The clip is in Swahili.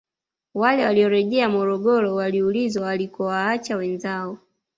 Wale waliorejea Morogoro waliulizwa walikowaacha wenzao